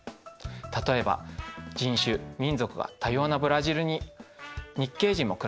例えば人種・民族が多様なブラジルに日系人も暮らしています。